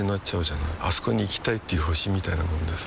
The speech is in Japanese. あそこに行きたいっていう星みたいなもんでさ